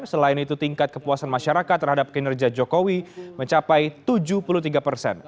selain itu tingkat kepuasan masyarakat terhadap kinerja jokowi mencapai tujuh puluh tiga persen